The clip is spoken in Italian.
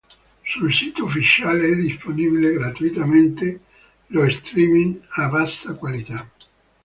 Sul sito ufficiale è disponibile gratuitamente lo streaming a bassa qualità.